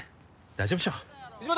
大丈夫でしょう藤本！